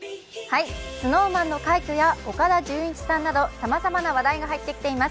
ＳｎｏｗＭａｎの快挙や岡田准一さんなどさまざまな話題が入ってきています。